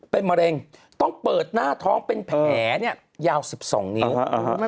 เป็นมะเร็งต้องเปิดหน้าท้องเป็นแผลเนี่ยยาว๑๒นิ้ว